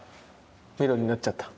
ミロになっちゃった。